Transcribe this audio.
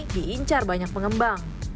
diincar banyak pengembang